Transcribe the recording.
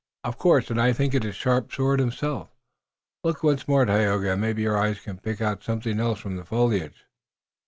"Of course, and I think it is Sharp Sword himself." "Look once more, Tayoga, and maybe your eyes can pick out something else from the foliage."